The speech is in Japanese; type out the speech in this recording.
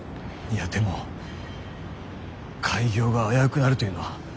いやでも開業が危うくなるというのは。